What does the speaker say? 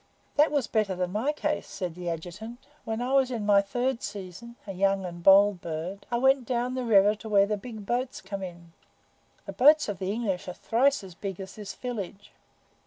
"That was better than my case," said the Adjutant. "When I was in my third season, a young and a bold bird, I went down to the river where the big boats come in. The boats of the English are thrice as big as this village."